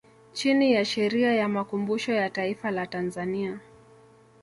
Chini ya sheria ya makumbusho ya Taifa la Tanzania